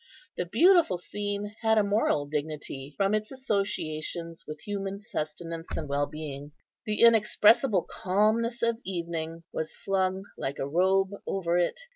The beautiful scene had a moral dignity, from its associations with human sustenance and well being. The inexpressible calmness of evening was flung, like a robe, over it.